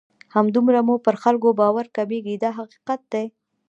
همدومره مو پر خلکو باور کمیږي دا حقیقت دی.